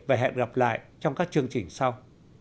và hẹn gặp lại trong các chương trình sau